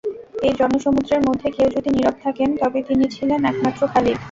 এই জনসমুদ্রের মধ্যে কেউ যদি নীরব থাকেন তবে তিনি ছিলেন একমাত্র খালিদ।